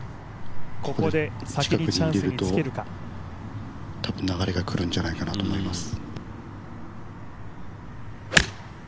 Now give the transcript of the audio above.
ここで近くにつけると、たぶん流れが来るんじゃないかと思います。